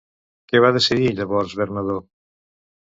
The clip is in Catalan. Què va decidir llavors Bernadó?